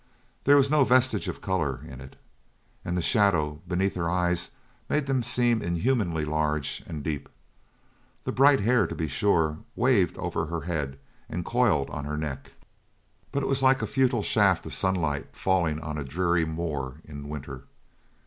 There was no vestige of colour in it; and the shadow beneath her eyes made them seem inhumanly large and deep. The bright hair, to be sure, waved over her head and coiled on her neck, but it was like a futile shaft of sunlight falling on a dreary moor in winter.